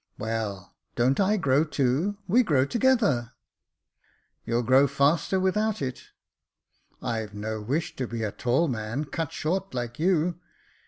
" Well, don't I grow too ? we grow together." You'll grow faster without it." I've no wish to be a tall man cut short, like you."